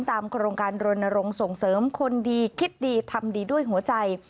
โครงการรณรงค์ส่งเสริมคนดีคิดดีทำดีด้วยหัวใจ